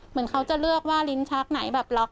เหมือนเขาจะเลือกว่าลิ้นชักไหนแบบล็อก